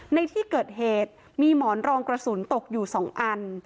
ในที่เกิดเหตุมีหมอนรองกระสุนตกอยู่๒อัน